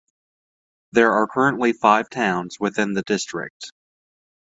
There are currently five towns within the district.